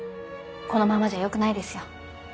このままじゃよくないですよ。